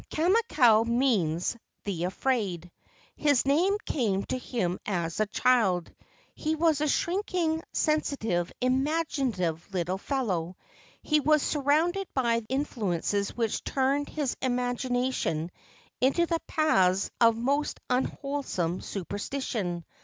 Kamakau means "the afraid." His name came to him as a child. He was a shrinking, sensitive, imaginative little fellow. He was surrounded by influences which turned his imagination into the paths of most unwholesome superstition.